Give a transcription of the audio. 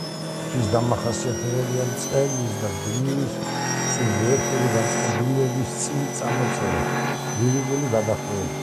მისთვის დამახასიათებელია მწერლისა და გმირის სუბიექტური განწყობილების წინ წამოწევა, ლირიკული გადახვევები.